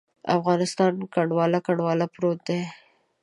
افغانستان کنډواله، کنډواله پروت دی.